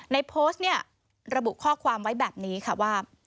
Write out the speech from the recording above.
ในโพสต์เนี่ยระบุข้อความไว้แบบนี้ค่ะว่า